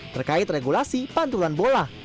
terkait regulasi pantulan bola